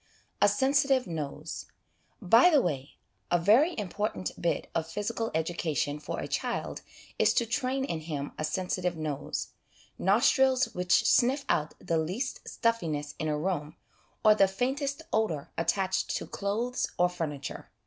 A Sensitive Nose. By the way, a very important bit of physical education for a child is to train in him a sensitive nose nostrils which sniff out the least ' stuffiness ' in a room, or the faintest odour attached to clothes or furniture.